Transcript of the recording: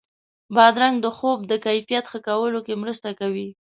بادرنګ د خوب د کیفیت ښه کولو کې مرسته کوي.